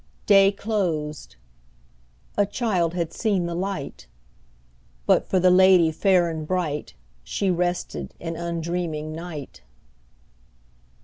Day closed; a child had seen the light; But, for the lady fair and bright, She rested in undreaming night.